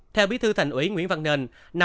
theo bí thư thành ủy nguyễn văn nền